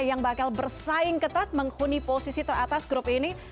yang bakal bersaing ketat menghuni posisi teratas grup ini